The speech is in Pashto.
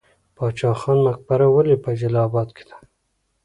باچا خان مقبره ولې په جلال اباد کې ده؟